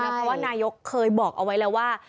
เพราะว่านายกเคยบอกเอาไว้แล้วว่า